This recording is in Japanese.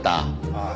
ああ。